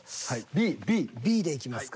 Ｂでいきますか。